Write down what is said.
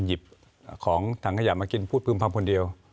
หยิบของถังขยะมากินพูดพึ่มพำคนเดียว